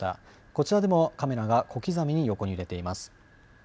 こちらでもカメラが小刻みに横に揺れています。